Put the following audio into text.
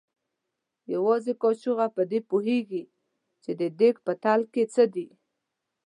یوازې کاچوغه په دې پوهېږي چې د دیګ په تل کې څه دي.